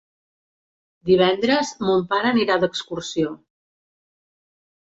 Divendres mon pare anirà d'excursió.